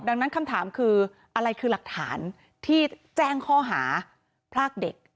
ดังนั้นคำถามคืออะไรคือหลักฐานที่แจ้งข้อหาพรากเด็ก